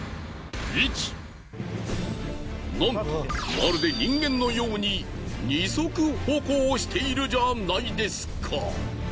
なんとまるで人間のように２足歩行しているじゃないですか。